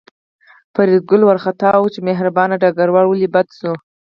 فریدګل وارخطا و چې مهربان ډګروال ولې بدل شو